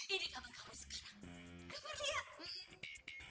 ini kaman kamu sekarang